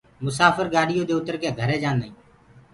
مساڦر گآڏيو دي اُتر ڪي گھرينٚ جآنٚدآئينٚ